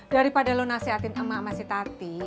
daripada lo nasihatin emak sama si tati